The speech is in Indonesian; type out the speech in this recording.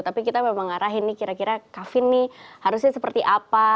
tapi kita memang ngarahin nih kira kira kavin nih harusnya seperti apa